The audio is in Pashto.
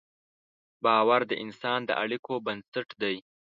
باور د انسان د اړیکو بنسټ دی.